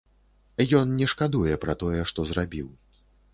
Ён не шкадуе пра тое, што зрабіў.